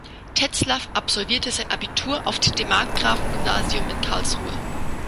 Tetzlaff absolvierte sein Abitur auf dem Markgrafen-Gymnasium in Karlsruhe.